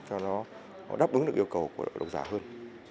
cho nó đáp ứng được yêu cầu của đội đọc giả hơn